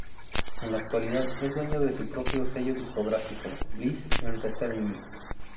En la actualidad, es dueño de su propio sello discográfico, Bliss Entertainment.